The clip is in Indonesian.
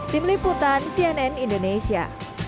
tim liputan cnn indonesia